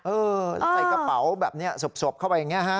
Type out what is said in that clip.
ใส่กระเป๋าแบบนี้สบเข้าไปอย่างนี้ฮะ